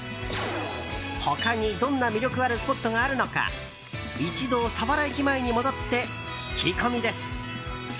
他にどんな魅力あるスポットがあるのか一度、佐原駅前に戻って聞き込みです。